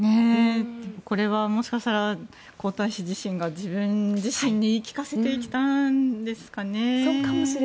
これはもしかしたら皇太子自身が自分自身に言い聞かせてきたんですかね。